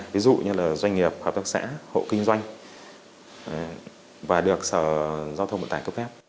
ví dụ như là doanh nghiệp hợp tác xã hộ kinh doanh và được sở giao thông vận tải cấp phép